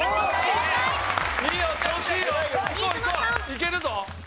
いけるぞ。